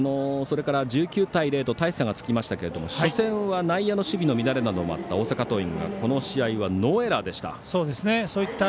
１９対０と大差がつきましたが初戦は内野の守備の乱れなどもあった大阪桐蔭がこの試合はノーエラーでした。